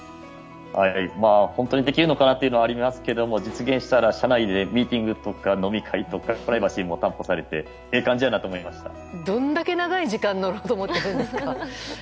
本当にできるのかなっていうのはありますけれども実現したら車内でミーティングとか飲み会とかプライバシーも担保されてどんだけ長い時間乗ろうと思ってるんですか。